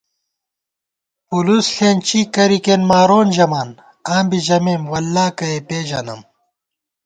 پُولُوس ݪېنچی ، کرِیکېن مارون ژمان ، آں بی ژمېم “واللہ کَہ یےپېژَنم”